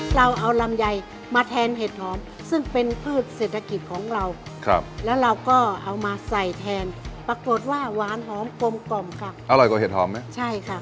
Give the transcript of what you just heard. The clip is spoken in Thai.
เราเอาลำไยมาแทนเห็ดหอมซึ่งเป็นพืชเศรษฐกิจของเราครับแล้วเราก็เอามาใส่แทนปรากฏว่าหวานหอมกลมกล่อมค่ะอร่อยกว่าเห็ดหอมไหมใช่ค่ะ